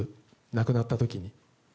亡くなった時に。